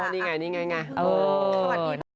นี่ไง